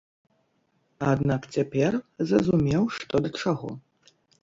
Аднак цяпер зразумеў што да чаго.